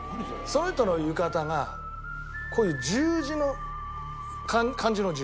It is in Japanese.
その人の浴衣がこういう十字の漢字の「十」。